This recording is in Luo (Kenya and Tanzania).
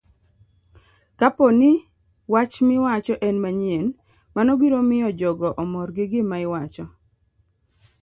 Kapo ni wach miwacho en manyien, mano biro miyo jogo omor gi gima iwacho